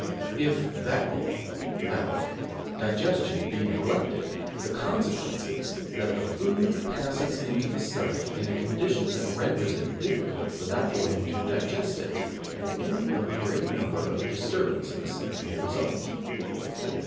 If buccal (mouth) digestion be neglected, the consequence is that the food passes into the stomach in a condition that renders it difficult for that organ to digest it and any of a great number of disturbances may result.